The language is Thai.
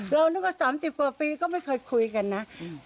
เรานึกว่า๓๐กว่าปีก็ไม่เคยคุยกันนะ